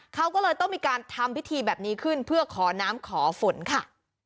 เขาก็เลยต้องมีการทำพิธีแบบนี้ขึ้นเพื่อขอน้ำขอฝนค่ะ